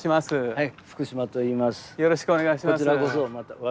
はい。